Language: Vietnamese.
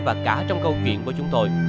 và cả trong câu chuyện của chúng tôi